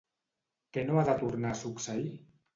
Què no ha de tornar a succeir?